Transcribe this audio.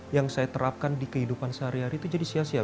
yang saya terapkan di kehidupan sehari hari itu jadi sia sia